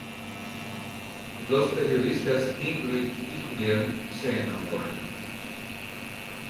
Los periodistas Ingrid y Julián se enamoran.